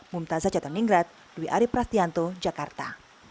mumtazah jatamingrat dwi ari prasetyanto jakarta